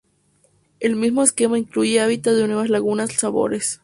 El mismo esquema incluye hábitat de nuevas lagunas salobres.